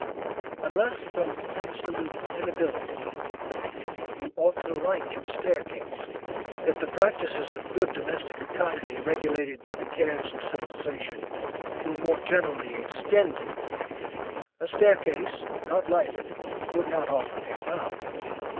Unless from absolute inability, you ought to light your staircase. If the practices of good domestic economy regulated by the cares of civilization, were more generally extended, a staircase not lighted would not often be found.